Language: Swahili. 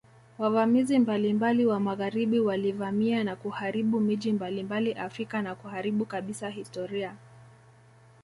Wavamizi mbalimbali wa magharibi walivamia na kuharibu miji mbalimbali Afrika na kuharibu kabisa historia